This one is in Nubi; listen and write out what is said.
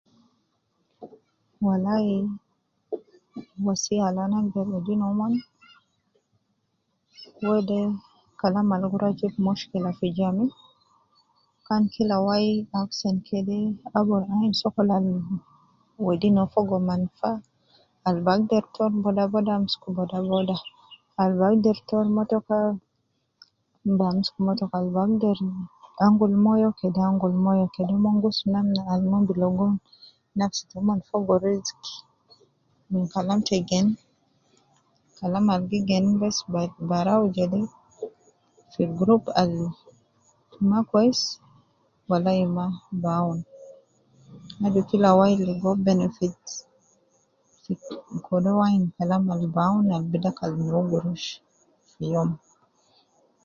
Walai wasiya Al ana agder wedi noumon. Wede Kalam Al guruwa jibu mushkila. Aju kika wa kede amsuku sokol Al gidam uwo aju kika wai ligo benefit kede uwo ainu Kalam Al bi dakalu nouo gurush